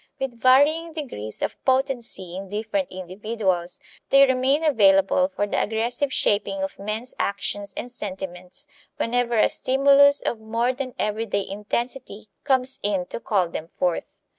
With varying degrees of potency in different individuals, they remain available for the aggressive shaping of men's actions and sentiments whenever a stimulus of more than everyday intensity comes in to call them forth.